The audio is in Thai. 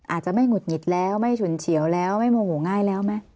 อาจจะไม่หุดหงิดแล้วไม่ฉุนเฉียวแล้วไม่โมโหง่ายแล้วไหม